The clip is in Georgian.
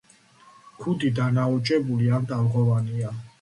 ქუდი დანაოჭებული ან ტალღოვანია.